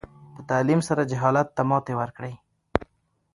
په تعلیم سره جهالت ته ماتې ورکړئ.